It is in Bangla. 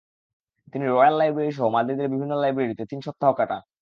তিনি রয়্যাল লাইব্রেরি সহ মাদ্রিদের বিভিন্ন লাইব্রেরিতে তিন সপ্তাহ কাটান।